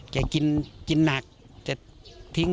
ถ้าใครว่าซื้อเลี้ยง